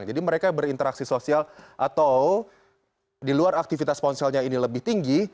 mereka berinteraksi sosial atau di luar aktivitas ponselnya ini lebih tinggi